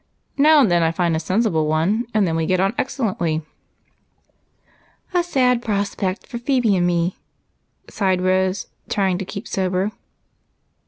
Now and then I find a sensible one, and then we get on excellently." "A sad prospect for Phebe and me," sighed Rose, trying to keep sober.